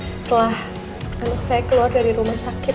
setelah anak saya keluar dari rumah sakit